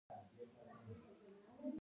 څو زره کارکوونکي په یوه کارخانه کې کار کوي